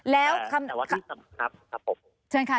แล้วคำครับครับโอเคครับแต่ว่าที่สำคัญครับ